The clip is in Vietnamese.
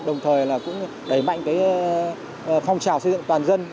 đồng thời cũng đẩy mạnh cái phong trào xây dựng toàn dân